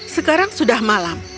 sekarang sudah malam